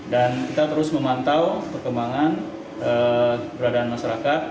dan kita terus memantau perkembangan beradaan masyarakat